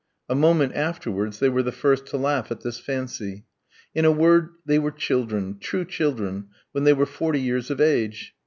A moment afterwards they were the first to laugh at this fancy. In a word, they were children, true children, when they were forty years of age.